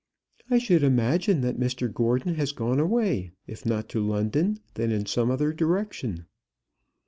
"I should imagine that Mr Gordon has gone away, if not to London, then in some other direction."